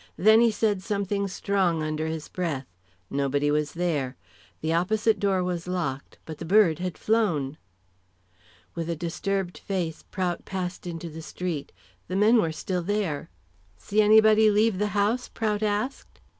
Then he said something strong under his breath. Nobody was there. The opposite door was locked, but the bird had flown. With a disturbed face Prout passed into the street. The men were still there. "See anybody leave the house?" Prout asked.